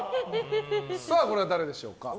これは誰でしょうか。